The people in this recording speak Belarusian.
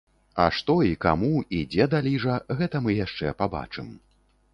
А што і каму, і дзе даліжа, гэта мы яшчэ пабачым.